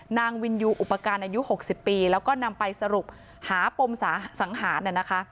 นางวินยูอุปการณ์อายุ๖๐ปีและนำไปสรุปหาปมสาสังหาร